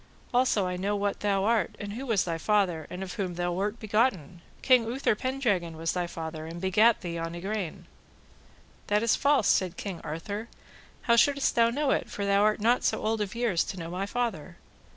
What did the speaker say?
Also I know what thou art, and who was thy father, and of whom thou wert begotten; King Uther Pendragon was thy father, and begat thee on Igraine. That is false, said King Arthur, how shouldest thou know it, for thou art not so old of years to know my father?